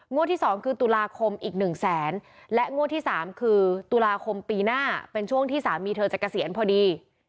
ที่๒คือตุลาคมอีกหนึ่งแสนและงวดที่๓คือตุลาคมปีหน้าเป็นช่วงที่สามีเธอจะเกษียณพอดี